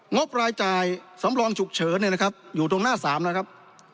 งบรายจ่ายสำรวงฉุกเฉินอยู่ตรงหน้า๓นะครับ